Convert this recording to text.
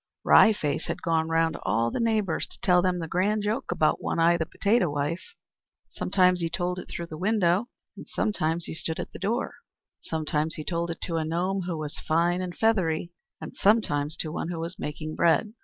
Wry Face had gone round to all the neighbours to tell them the grand joke about One Eye, the potato wife. Sometimes he told it through the window, and sometimes he stood at the door. Sometimes he told it to a gnome who was fine and feathery, and sometimes to one who was making bread.